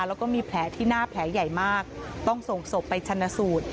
แล้วก็มีแผลที่หน้าแผลใหญ่มากต้องส่งศพไปชนะสูตร